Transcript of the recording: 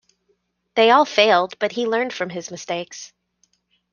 They all failed, but he learned from his mistakes.